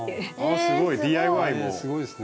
あすごいＤＩＹ。